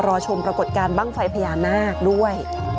รอชมปรากฏการณ์บ้างไฟพญานาคด้วย